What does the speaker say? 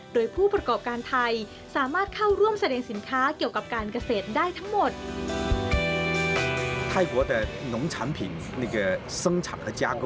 โดยผู้ประกอบการไทยสามารถเข้าร่วมแสดงสินค้าเกี่ยวกับการเกษตรได้ทั้งหมด